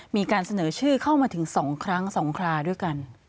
มีการเสนอชื่อเข้ามาถึง๒ครั้ง๒คราด้วยกัน